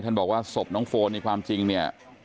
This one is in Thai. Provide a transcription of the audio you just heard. บอกว่าศพน้องโฟนในความจริงเนี่ย